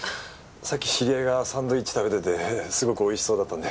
さっき知り合いがサンドイッチ食べててすごくおいしそうだったんで。